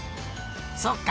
そっか。